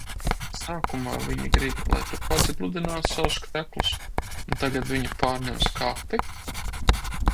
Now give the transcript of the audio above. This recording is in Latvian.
Sākumā viņa grib, lai tu pats gludinātu savus kreklus, un tagad viņa pārņem skapi?